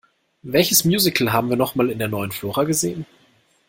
Welches Musical haben wir noch mal in der Neuen Flora gesehen?